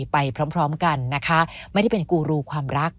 ไปพร้อมพร้อมกันนะคะไม่ได้เป็นกูรูความรัก